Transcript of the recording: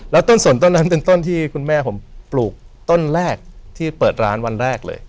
แล้วต้นสนต้นนั้นเป็นต้นที่คุณแม่ผมปลูกต้นแรกที่เปิดร้านวันแรกเลย